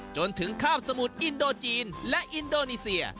จนถึงข้ามสมุทรอินโดจีนและอินโดนีเซีย